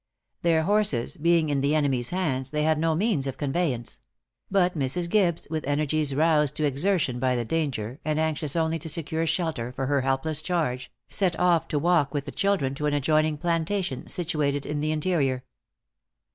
Their horses being in the enemy's hands, they had no means of conveyance; but Mrs. Gibbes, with energies roused to exertion by the danger, and anxious only to secure shelter for her helpless charge, set off to walk with the children to an adjoining plantation situated in the interior.